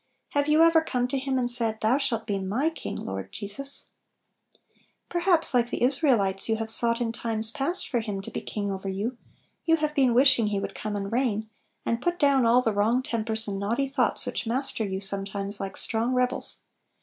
Have you ever come to Him and said, "Thou shalt be my King, Lord Jesus"? Little Pillows. 67 Perhaps, like the Israelites, you have "sought in times past for Him to be King over you"; you have been wish ing He would come and reign, and put down all the wrong tempers and naughty thoughts which master you sometimes like strong rebels.